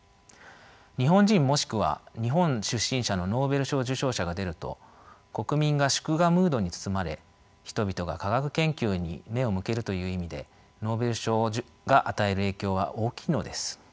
日本人もしくは日本出身者のノーベル賞受賞者が出ると国民が祝賀ムードに包まれ人々が科学研究に目を向けるという意味でノーベル賞が与える影響は大きいのです。